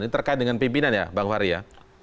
ini terkait dengan pimpinan ya bang fahri ya